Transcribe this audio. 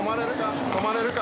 止まれるか？